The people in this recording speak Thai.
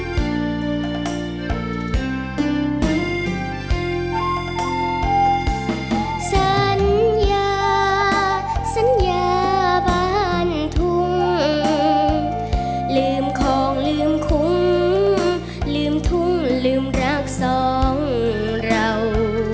ลืมสัญญาสัญญาบ้านทุ่งลืมของลืมคุ้มลืมทุ่งลืมรักสองเรา